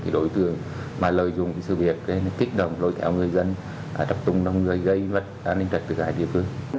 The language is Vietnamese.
đối tượng mà lợi dụng sự việc kích động đối tượng người dân tập trung đồng người gây vật an ninh trật tự cả địa phương